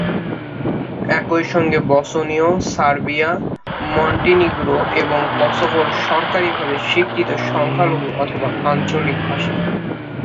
একই সঙ্গে বসনীয় Serbia, Montenegro এবং কসোভোর সরকারীভাবে স্বীকৃত সংখ্যালঘু অথবা আঞ্চলিক ভাষা।